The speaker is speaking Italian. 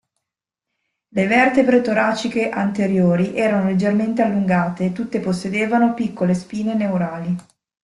Le vertebre toraciche anteriori erano leggermente allungate e tutte possedevano piccole spine neurali.